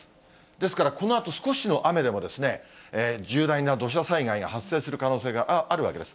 ですからこのあと少しの雨でも、重大な土砂災害が発生する可能性があるわけです。